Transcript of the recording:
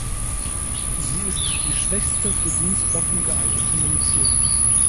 Sie ist die schwächste für Dienstwaffen geeignete Munition.